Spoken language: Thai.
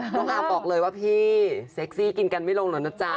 น้องอาร์มบอกเลยว่าพี่เซ็กซี่กินกันไม่ลงหรอกนะจ๊ะ